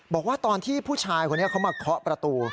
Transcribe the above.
บอกว่าตอนที่ผู้ชายคนนี้เขามาเคาะประตู